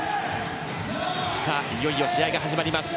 いよいよ試合が始まります。